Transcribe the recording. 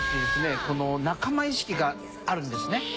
仲間意識があるんですね。